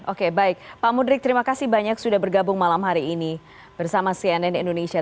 oke baik pak mudrik terima kasih banyak sudah bergabung malam hari ini bersama cnn indonesia